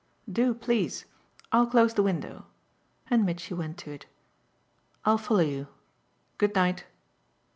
"Do, please. I'll close the window" and Mitchy went to it. "I'll follow you good night."